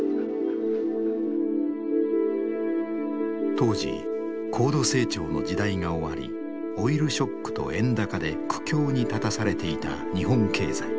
当時高度成長の時代が終わりオイルショックと円高で苦境に立たされていた日本経済。